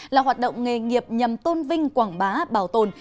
là hoạt động nghề nghiệp nhằm tôn vinh quảng bá bảo tồn